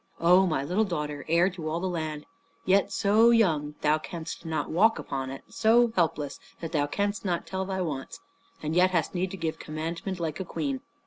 "O my little daughter, heir to all the land, yet so young thou canst not walk upon it; so helpless that thou canst not tell thy wants and yet hast need to give commandment like a queen!